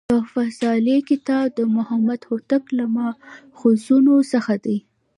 "تحفه صالح کتاب" د محمد هوتک له ماخذونو څخه دﺉ.